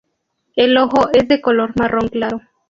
El ojo es de color marrón claro.